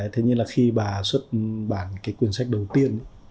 thế nhưng là khi bà xuất bản cái quyển sách đầu tiên